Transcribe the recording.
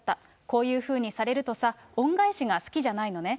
こういうふうにされるとさ、恩返しが好きじゃないのね。